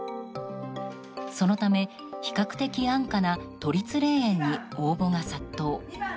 そのため、比較的安価な都立霊園に応募が殺到。